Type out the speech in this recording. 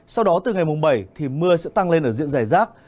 sau đó từ ngày mùng bảy thì mưa sẽ tăng lên ở diện giải rác